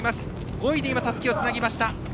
５位でたすきをつなぎました。